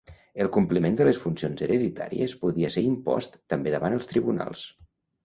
El compliment de les funcions hereditàries podia ser impost també davant els tribunals.